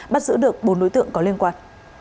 bắt giữ được bốn đối tượng có liên quan